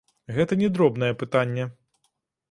Гэта не дробнае пытанне.